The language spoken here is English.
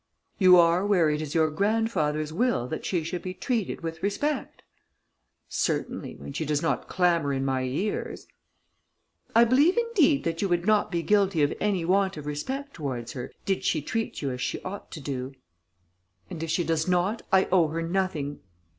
"You are where it is your grandfather's will that she should be treated with respect." "Certainly, when she does not clamour in my ears." "I believe, indeed, that you would not be guilty of any want of respect towards her, did she treat you as she ought to do." "And if she does not, I owe her nothing."